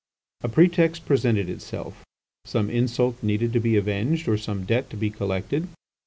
A pretext presented itself; some insult needed to be avenged, or some debt to be collected.